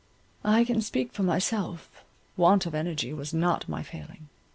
I can speak for myself—want of energy was not my failing.